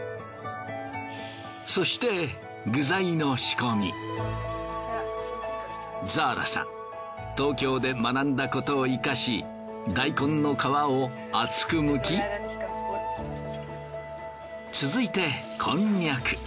そしてザーラさん東京で学んだことを生かし大根の皮を厚くむき続いてこんにゃく。